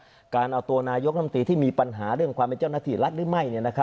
การเอาตัวนายกรรมตรีที่มีปัญหาเรื่องความเป็นเจ้าหน้าที่รัฐหรือไม่